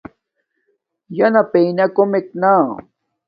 ینݳ پئنݳ کݸمݵک نݳ.